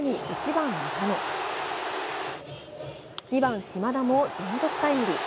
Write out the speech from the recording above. ２番・島田も連続タイムリー。